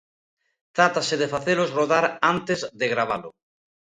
Trátase de facelos rodar antes de gravalo.